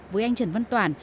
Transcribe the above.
với anh trần văn toàn